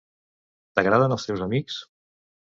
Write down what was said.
T'agraden els teus amics?